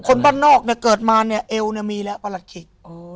คนบ้านนอกเนี่ยเกิดมาเนี่ยเอวเนี่ยมีแล้วประหลัดขิก